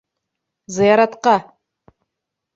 Зыяратҡа!